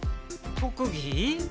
特技。